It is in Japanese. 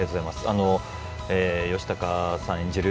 吉高さん演じる